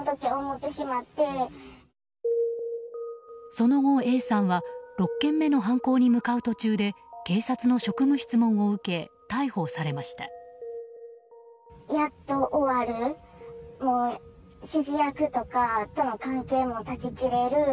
その後、Ａさんは６件目の犯行に向かう途中で警察の職務質問を受け逮捕されたのです。